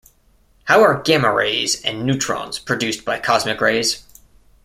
How are gamma rays and neutrons produced by cosmic rays?